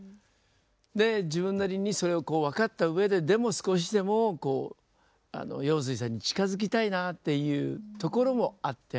で自分なりにそれをこう分かったうえででも少しでもこう陽水さんに近づきたいなっていうところもあって。